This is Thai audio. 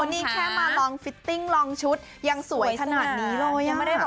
นี่แค่มาลองฟิตติ้งลองชุดยังสวยขนาดนี้เลย